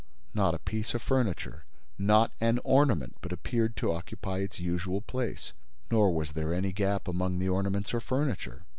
Not a piece of furniture, not an ornament but appeared to occupy its usual place; nor was there any gap among the ornaments or furniture.